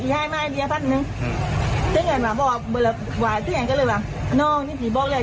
จัดกระบวนพร้อมกัน